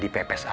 di pepes aja